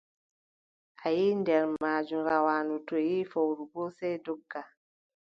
A yiʼi nder maajum, rawaandu too yiʼi fowru boo, sey dogga.